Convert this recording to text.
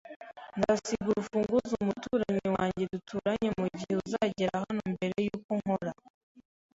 Nzasiga urufunguzo umuturanyi wanjye duturanye mugihe uzagera hano mbere yuko nkora.